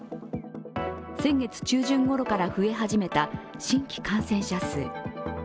先月中旬ごろから増え始めた新規感染者数。